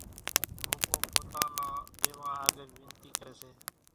ڀوپو پوتا نان ۮيوان آڳر وينتي ڪري سي